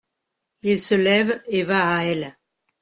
Il se lève et va à elle.